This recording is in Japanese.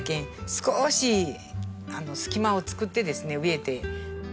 少し隙間を作ってですね植えて。